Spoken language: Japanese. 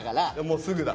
もうすぐだ。